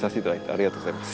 ありがとうございます。